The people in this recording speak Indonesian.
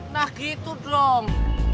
nah gitu dong